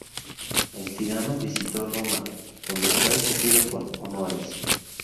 El tirano visitó Roma, donde fue acogido con honores.